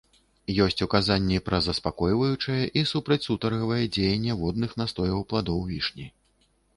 Ёсць указанні пра заспакойваючае і супрацьсутаргавае дзеянне водных настояў пладоў вішні.